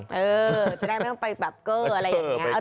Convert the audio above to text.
เออจะได้ไม่ต้องไปแบบเกอร์อะไรอย่างนี้